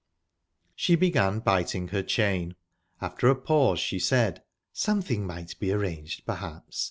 She began biting her chain. After a pause, she said: "Something might be arranged, perhaps.